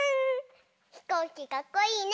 ひこうきかっこいいね！